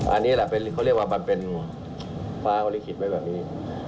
อันนี้เขาเรียกว่าเป็นฟ้าวลิขิตไว้แบบนี้